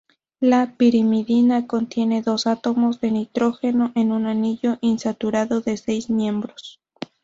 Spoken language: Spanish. La pirimidina, contiene dos átomos de nitrógeno en un anillo insaturado de seis miembros.